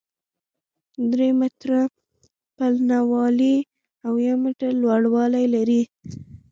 درې متره پلنوالی او يو متر لوړوالی لري،